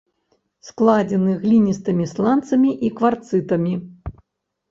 Складзены гліністымі сланцамі і кварцытамі.